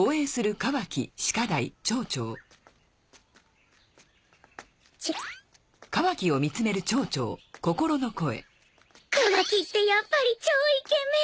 カワキってやっぱり超イケメン！